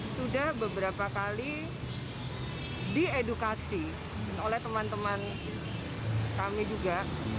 sudah beberapa kali diedukasi oleh teman teman kami juga